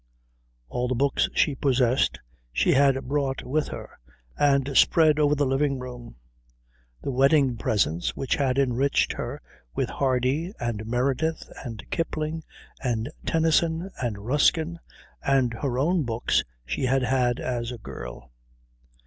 All the books she possessed she had brought with her and spread over the living room: the wedding presents which had enriched her with Hardy and Meredith and Kipling and Tennyson and Ruskin, and her own books she had had as a girl.